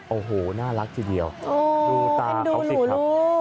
โอ้โหน่ารักทีเดียวดูตาเขาสิครับ